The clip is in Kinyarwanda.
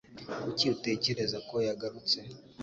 Kuki utekereza ko yagarutse?